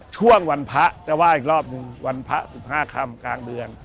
ช่วงวันพระจะไหว้อีกรอบหนึ่งวันพระ๑๕คำกลางเดือน